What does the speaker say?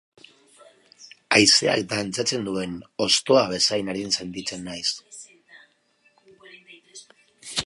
Haizeak dantzatzen duen ostoa bezain arin sentitzen naiz.